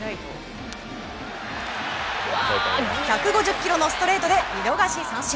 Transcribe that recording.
１５０キロのストレートで見逃し三振。